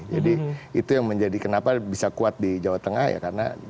jadi itu yang menjadi kenapa bisa kuat di jawa tengah ya karena beliau dianjur